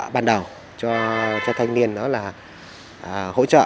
ban đầu cho thanh niên đó là hỗ trợ